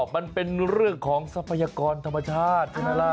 มันเป็นเรื่องของทรัพยากรธรรมชาติ